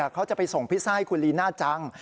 เขาจะไปส่งพิซซ่าให้คุณลีน่าจัง